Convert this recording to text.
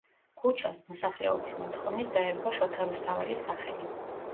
ქუჩას, მოსახლეობის მოთხოვნით, დაერქვა შოთა რუსთაველის სახელი.